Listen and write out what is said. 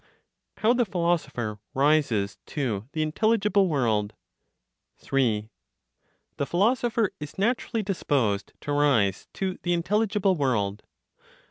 HOW THE PHILOSOPHER RISES TO THE INTELLIGIBLE WORLD. 3. The philosopher is naturally disposed to rise to the intelligible world.